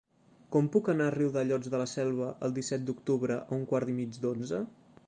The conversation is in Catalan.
Com puc anar a Riudellots de la Selva el disset d'octubre a un quart i mig d'onze?